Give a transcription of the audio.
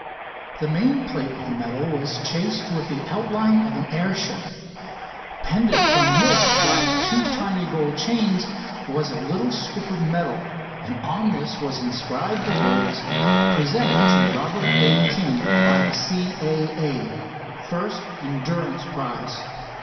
The main plate of the medal was chased with the outline of an airship. Pendant from this by two tiny gold chains was a little strip of metal, and on this was inscribed the words: "Presented to Robert A. King by the C. A. A. First Endurance Prize."